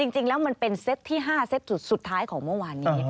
จริงแล้วมันเป็นเซตที่๕เซตสุดท้ายของเมื่อวานนี้